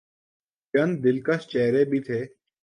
چند دلکش چہرے بھی تھے۔